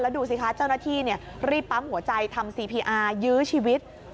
ดูสิคะเจ้าหน้าที่รีบปั๊มหัวใจทำซีพีอายื้อชีวิต